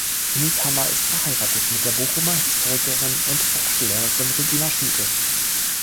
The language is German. Niethammer ist verheiratet mit der Bochumer Historikerin und Hochschullehrerin Regina Schulte.